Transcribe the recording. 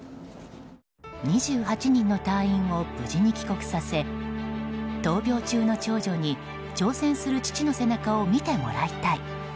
２８人の隊員を無事に帰国させ闘病中の長女に、挑戦する父の背中を見てもらいたい。